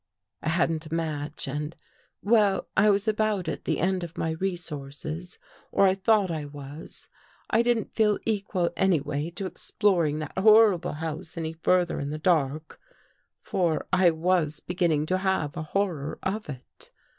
I hadn't a match and — well, I was about at the end of my resources, or I thought I was. I didn't feel equal, anyway, to exploring that 307 THE GHOST GIRL horrible house any further in the dark — for I was beginning to have a horror of it.